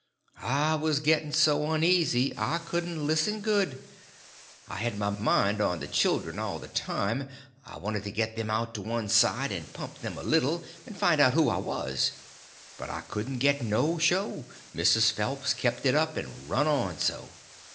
I was getting so uneasy I couldn't listen good. I had my mind on the children all the time; I wanted to get them out to one side and pump them a little, and find out who I was. But I couldn't get no show, Mrs. Phelps kept it up and run on so.